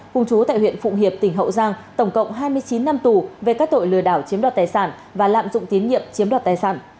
cùng chú tại huyện phụng hiệp tỉnh hậu giang tổng cộng hai mươi chín năm tù về các tội lừa đảo chiếm đoạt tài sản và lạm dụng tín nhiệm chiếm đoạt tài sản